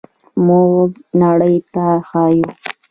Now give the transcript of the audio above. موږ نړۍ ته ښیو.